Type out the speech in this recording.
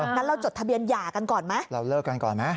งั้นเราจดทะเบียนหย่ากันก่อนไหมเราเลิกกันก่อนไหม